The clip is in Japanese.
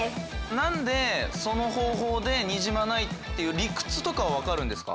何でその方法でにじまないっていう理屈とかはわかるんですか？